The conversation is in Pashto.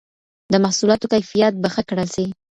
د محصولاتو کيفيت به ښه کړل سي.